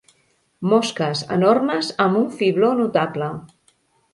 Mosques enormes amb un fibló notable.